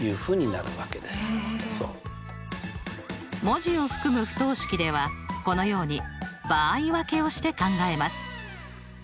文字を含む不等式ではこのように場合分けをして考えます。